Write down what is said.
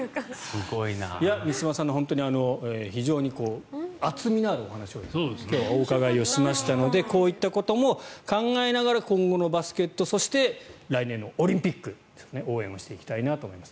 満島さんの本当に厚みのあるお話を今日はお伺いしましたのでこういったことも考えながら今後のバスケットそして来年のオリンピック応援したいなと思います。